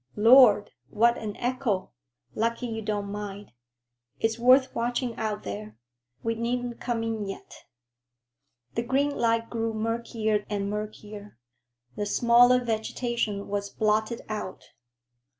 "Lord, what an echo! Lucky you don't mind. It's worth watching out there. We needn't come in yet." The green light grew murkier and murkier. The smaller vegetation was blotted out.